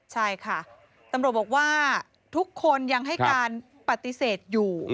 ใช่ค่ะตำรวจบอกว่าทุกคนยังให้การปฏิเสธอยู่